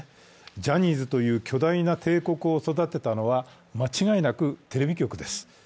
ジャニーズという巨大な帝国を育てたのは間違いなくテレビ局です。